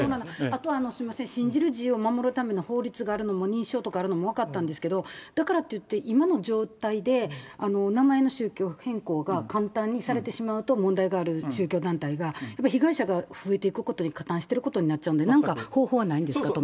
あとは、すみません、信じる自由の法律を守るための法律があるのも、認証があるのも分かったんですけども、だからっていって、今の状態で名前の修正変更が簡単にされてしまうとされてしまうと問題がある宗教団体がやっぱり被害者が増えていくことに加担していることになっちゃうんで、なんか、方法はないんですかと。